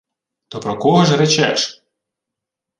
— То про кого ж речеш?